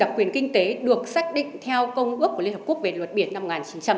cùng đặc quyền kinh tế được xác định theo công ước của liên hợp quốc về luật biển một nghìn chín trăm tám mươi hai